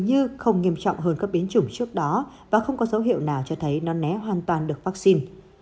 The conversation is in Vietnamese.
như không nghiêm trọng hơn các biến chủng trước đó và không có dấu hiệu nào cho thấy nó né hoàn toàn được vaccine